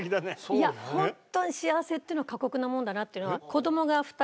いやホントに幸せっていうのは過酷なもんだなっていうのは。